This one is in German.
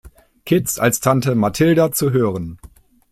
Kids" als Tante Mathilda zu hören.